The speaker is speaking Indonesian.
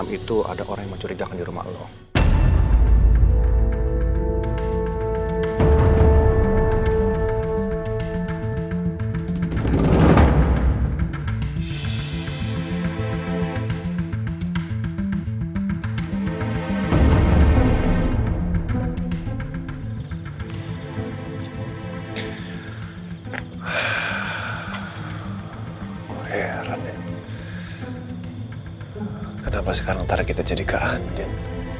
gue heran ya kenapa sekarang targetnya jadi kak andien